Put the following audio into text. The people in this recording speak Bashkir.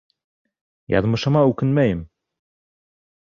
Яҙмышыма үкенмәйем.